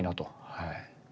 はい。